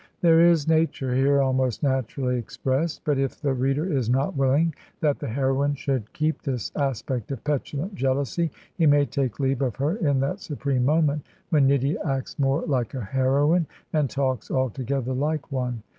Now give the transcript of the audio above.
There is nature here, almost naturally expressed; but if the reader is not willing that the heroine should keep this aspect of petulant jealousy he may take leave of her in that supreme moment when Nydia acts more like a heroine and talks altogether like one.